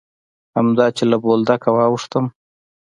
همدا چې له بولدکه واوښتم.